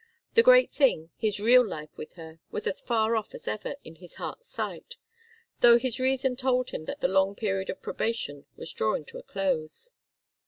The great thing, his real life with her, was as far off as ever, in his heart's sight, though his reason told him that the long period of probation was drawing to a close.